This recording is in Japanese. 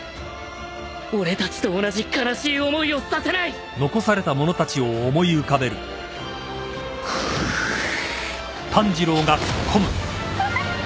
俺たちと同じ悲しい思いをさせないフフッ。